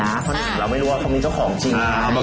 เราไม่รู้ว่าเขามีเจ้าของจริง